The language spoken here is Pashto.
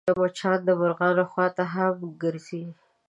مچان د مرغانو خوا ته هم ګرځي